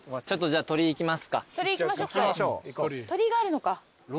鳥居があるのか。